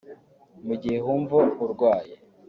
Mu gihe wumva urwaye